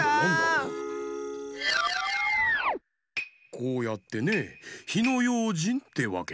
こうやってね「ひのようじん」ってわけさ。